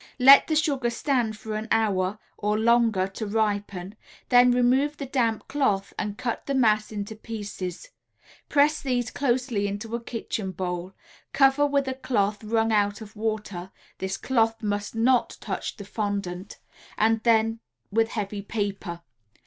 Let the sugar stand for an hour or longer to ripen, then remove the damp cloth and cut the mass into pieces; press these closely into a kitchen bowl, cover with a cloth wrung out of water (this cloth must not touch the fondant) and then with heavy paper.